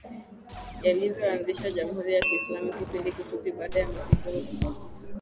yaliyoanzisha Jamhuri ya Kiislamu Kipindi kifupi baada ya mapinduzi